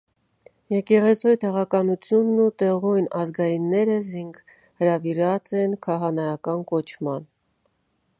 Եկեղեցւոյ թաղականութիւնն ու տեղւոյն ազգայինները զինք հրաւիրած են քահանայական կոչման։